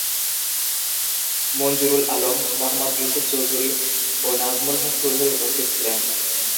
মঞ্জুরুল আলম, মোহাম্মদ ইউসুফ চৌধুরী ও নাজমুল হক চৌধুরী উপস্থিত ছিলেন।